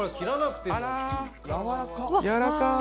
・・やらかい！